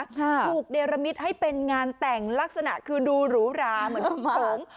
ถูกเนรมิตให้เป็นงานแต่งลักษณะคือดูหรูหราเหมือนหง